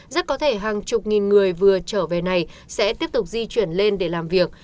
rất có thể hàng chục nghìn người vừa trở về này sẽ tiếp tục di chuyển lên để làm việc